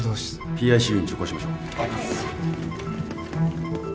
ＰＩＣＵに直行しましょう。